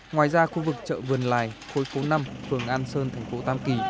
ngoài ra khu vực chợ vườn lài khối phố năm phường an sơn thành phố tam kỳ